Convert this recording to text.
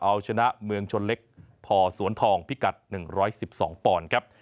เอาชนะเมืองชนเล็กพอสวนทองพิกัด๑๑๒ปอนด์ครับ